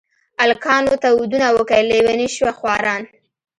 الکانو ته ودونه وکئ لېوني شوه خواران.